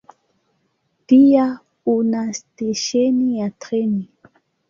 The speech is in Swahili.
Pia una stesheni ya treni.